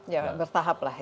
ya bertahap lah